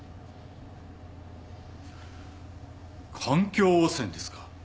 環境汚染ですか？